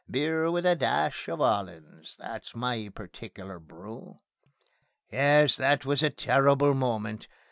Beer with a dash of 'ollands, that's my particular brew. Yes, that was a terrible moment.